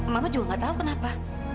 mama juga gak tahu kenapa